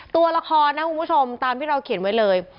ตัวละครนะคุณผู้ชมตามที่เราเขียนไว้เลย